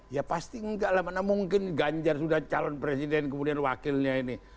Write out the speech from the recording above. ya pasti enggak lah mana mungkin ganjar sudah calon presiden kemudian wakilnya ini